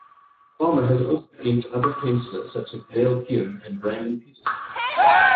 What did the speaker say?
Farmer has also inked other pencillers, such as Dale Keown and Brandon Peterson.